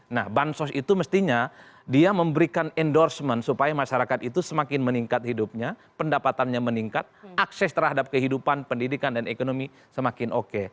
nah bansos itu mestinya dia memberikan endorsement supaya masyarakat itu semakin meningkat hidupnya pendapatannya meningkat akses terhadap kehidupan pendidikan dan ekonomi semakin oke